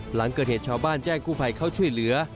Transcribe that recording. หลังเกิดเหตุชาวบ้านแจ้งกู้ภัยเข้าช่วยเหลือ